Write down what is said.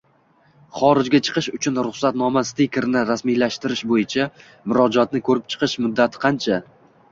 Xorijga chiqish uchun ruxsatnoma stikerini rasmiylashtirish bo‘yicha murojaatni ko‘rib chiqish muddati qancha?